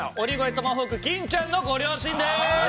トマホーク金ちゃんのご両親です。